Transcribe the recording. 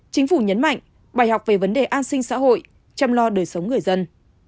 chính phủ nhấn mạnh bài học về vấn đề an sinh xã hội chăm lo đời sống người dân